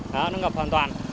đó nó ngập hoàn toàn